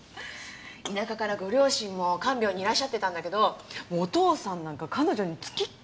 いなかからご両親も看病にいらっしゃってたんだけどお父さんなんか彼女につきっきりでべったり。